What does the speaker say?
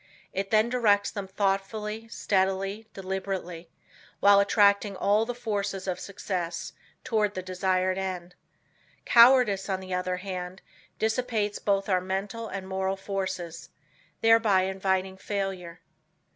It then directs them thoughtfully, steadily, deliberately, while attracting all the forces of success, toward the desired end. Cowardice on the other hand, dissipates both our mental and moral forces, thereby inviting failure.